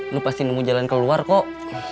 lo pasti nemu jalan keluar kok